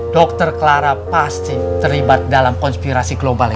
dokter clara pasti terlibat dalam konspirasi global